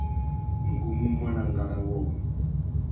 Ngu mú muaná ngárá wôō.